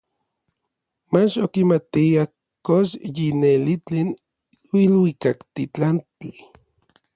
Mach okimatia kox yi neli tlen iluikaktitlantli.